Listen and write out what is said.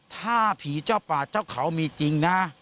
ถ้าผีเจ้าป่าเจ้าเขามีจริงนะ